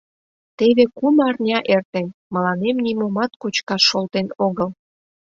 — Теве кум арня эртен, мыланем нимомат кочкаш шолтен огыл.